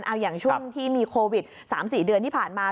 เอาอย่างช่วงที่มีโควิด๓๔เดือนที่ผ่านมา